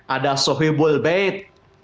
ada sohibul bait